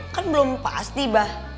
kan belum pasti bah